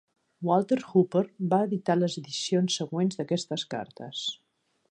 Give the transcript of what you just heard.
Walter Hooper va editar les edicions següents d'aquestes cartes.